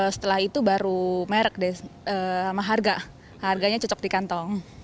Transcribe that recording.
setelah itu baru merek deh sama harga harganya cocok di kantong